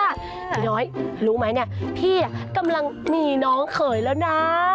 อย่างน้อยรู้ไหมเนี่ยพี่กำลังมีน้องเขยแล้วนะ